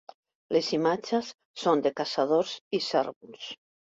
Les imatges són de caçadors i cérvols.